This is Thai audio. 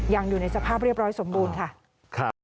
อยู่ในสภาพเรียบร้อยสมบูรณ์ค่ะ